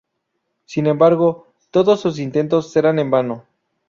Sin embargo, todos sus intentos serán en vano.